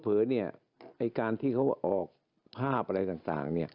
เผื่อนี่ไอ้การที่เขาออกภาพอะไรต่าง